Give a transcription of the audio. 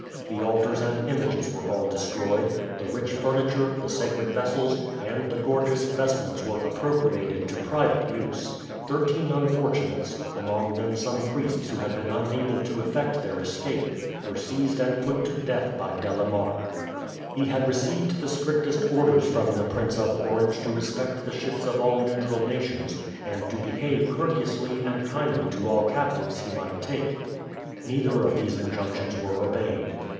The altars and images were all destroyed; the rich furniture, the sacred vessels, and the gorgeous vestments were appropriated to private use. Thirteen unfortunates, among them some priests who had been unable to effect their escape, were seized and put to death by De la Marck. He had received the strictest orders from the Prince of Orange to respect the ships of all neutral nations, and to behave courteously and kindly to all captives he might take. Neither of these injunctions were obeyed.